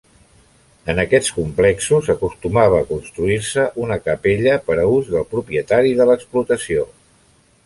En aquests complexos acostumava a construir-se una capella per a ús del propietari de l'explotació.